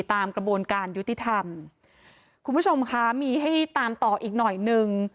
ตามกระบวนการยุติธรรมคุณผู้ชมคะมีให้ตามต่ออีกหน่อยหนึ่ง